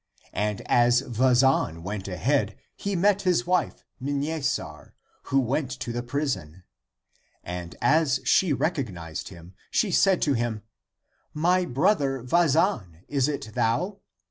And as Vazan went ahead, he met his wife Mnesar, who went to the prison. And as she recognized him, she said to him, "My brother Vazan, is it thou?"